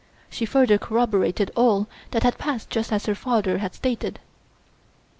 She further corroborated all that had passed just as her father had stated.